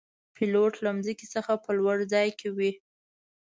پیلوټ له ځمکې څخه په لوړ ځای کې وي.